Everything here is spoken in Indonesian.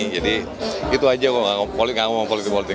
jadi itu saja kalau tidak ngomong politik politik